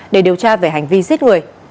để điều tra về hành vi giết người